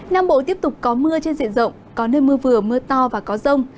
nam bộ tiếp tục có mưa trên diện rộng có nơi mưa vừa mưa to và có rông